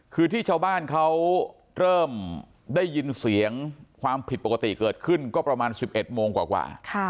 คือที่ชาวบ้านเขาเริ่มได้ยินเสียงความผิดปกติเกิดขึ้นก็ประมาณ๑๑โมงกว่า